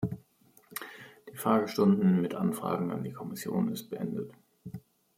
Die Fragestunde mit Anfragen an die Kommission ist beendet.